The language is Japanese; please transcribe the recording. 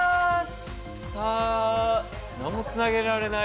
何もつなげられない。